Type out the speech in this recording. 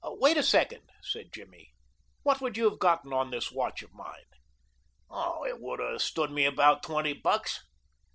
"Wait a second," said Jimmy. "What would you have gotten on this watch of mine?" "It would have stood me about twenty bucks."